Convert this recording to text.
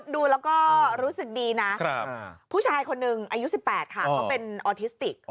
ดูแล้วก็รู้สึกดีนะผู้ชายคนหนึ่งอายุ๑๘ค่ะเขาเป็นออทิสติก